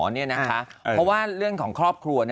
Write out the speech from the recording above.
เพราะว่าเรื่องของครอบครัว